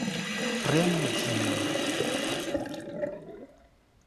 Premu ĝin.